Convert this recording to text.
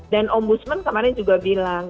dan om busman kemarin juga bilang